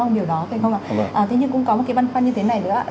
thưa ông điều đó thế nhưng cũng có một cái băn khoăn như thế này nữa ạ